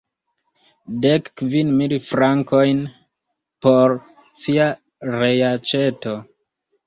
Dek kvin mil frankojn por cia reaĉeto.